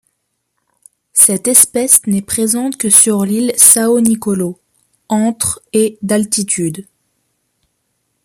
Cette espèce n'est présente que sur l'île São Nicolau, entre et d'altitude.